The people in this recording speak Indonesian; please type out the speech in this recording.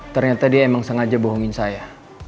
ternyata dia emang sengaja bohongin saya